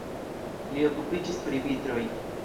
Li okupiĝis pri vitroj.